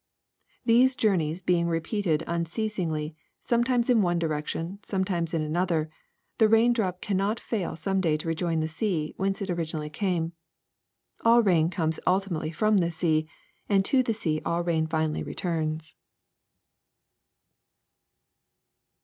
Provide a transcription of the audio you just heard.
*' These journeys being repeated unceasingly, sometimes in one direction, sometimes in another, the raindrop cannot fail some day to rejoin the sea whence it originally came. All rain comes ulti mately from the sea, and to the sea all rain finally returns.